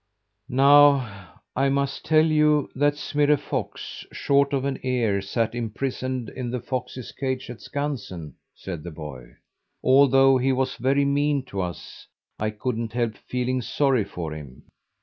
"Now I must tell you that Smirre Fox, short of an ear, sat imprisoned in the foxes' cage at Skansen," said the boy. "Although he was very mean to us, I couldn't help feeling sorry for him.